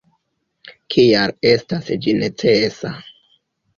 Kial estas ĝi necesa.